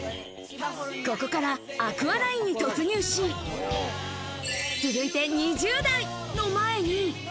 ここからアクアラインに突入し、続いて２０代！の前に。